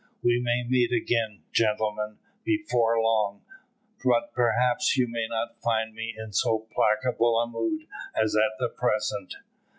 "We may meet again, gentlemen, before long, but perhaps you may not find me in so placable a mood as at present."